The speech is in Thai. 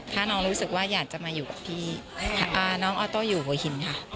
ถ้าน้องรู้สึกว่าอยากจะมาอยู่กับพี่